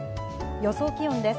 予想気温です。